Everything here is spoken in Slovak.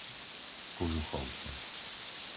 Kožuchovce